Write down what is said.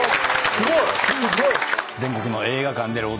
すごい。